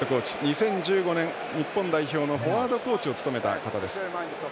２０１５年、日本代表のフォワードコーチを務めた方です。